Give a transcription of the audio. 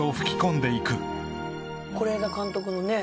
是枝監督のね